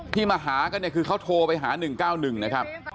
มาหากันเนี่ยคือเขาโทรไปหา๑๙๑นะครับ